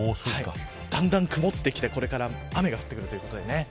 だんだん曇ってきてこれから雨が降ってくるということで。